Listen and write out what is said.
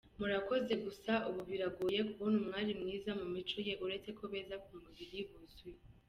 Murakoze Gusa Ubu Biragoye Kubona Umwari Mwiza Mumicyo Ye Uretseko Beza Kumubiri Buzuye!.